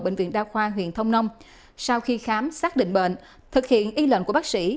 bệnh viện đa khoa huyện thông nông sau khi khám xác định bệnh thực hiện y lệnh của bác sĩ